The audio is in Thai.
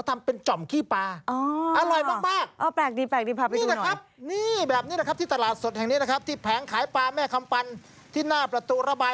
ที่หน้าประตูระบายน้ำ